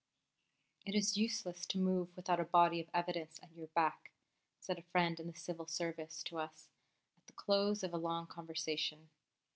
"It is useless to move without a body of evidence at your back," said a friend in the Civil Service to us at the close of a long conversation.